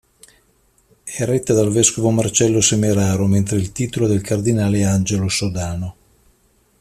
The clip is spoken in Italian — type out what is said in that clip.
È retta dal vescovo Marcello Semeraro, mentre il titolo è del cardinale Angelo Sodano.